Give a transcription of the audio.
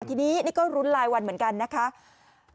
ทีนี้นี่ก็รุ้นรายวันเหมือนกันนะคะ